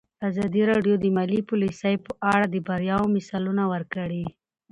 ازادي راډیو د مالي پالیسي په اړه د بریاوو مثالونه ورکړي.